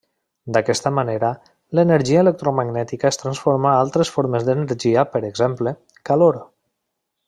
D’aquesta manera, l’energia electromagnètica es transforma a altres formes d’energia per exemple, calor.